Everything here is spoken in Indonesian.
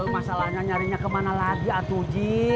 masalahnya nyarinya kemana lagi atuji